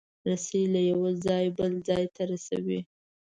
رسۍ له یو ځایه بل ځای ته رسوي.